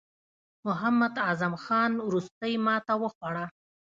محمد اعظم خان وروستۍ ماته وخوړه.